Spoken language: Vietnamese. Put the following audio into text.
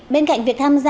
bên cạnh việc tham gia